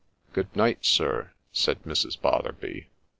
' Good night, sir !' said Mrs. Botherby.